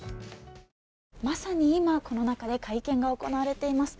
まさに今、この中で会見が行われています。